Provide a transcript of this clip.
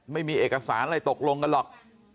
ไม่มีเอกสารอะไรตกลงกันหรอก